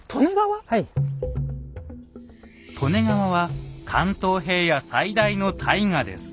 利根川は関東平野最大の大河です。